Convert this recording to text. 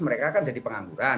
mereka akan jadi pengangguran